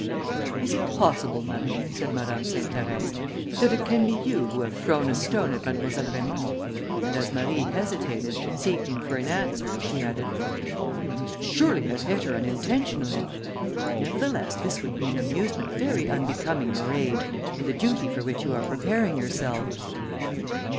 "Is it possible, Marie," said Madame Sainte Therèse, "that it can be you who have thrown a stone at Mademoiselle Raymond?" and as Marie hesitated, seeking for an answer, she added, "You must surely have hit her unintentionally; but nevertheless, this would be an amusement very unbecoming your age, and the duty for which you are preparing yourself."